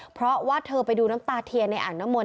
เพราะว่าเธอไปดูน้ำตาเทียนในอ่างน้ำมนต